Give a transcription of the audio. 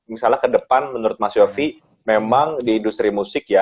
misalnya ke depan menurut mas yofi memang di industri musik ya